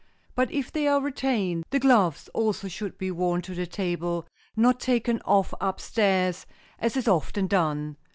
But if they are retained, the gloves also should be worn to the table, not taken off up stairs, as is often done.